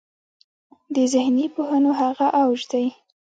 د ذهني پوهنو هغه اوج دی.